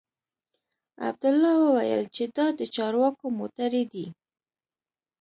عبدالله وويل چې دا د چارواکو موټرې دي.